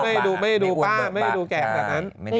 ไม่ดูป้าไม่ได้ดูแกะแบบนั้น